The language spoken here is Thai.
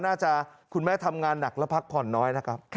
คุณแม่ทำงานหนักและพักผ่อนน้อยนะครับ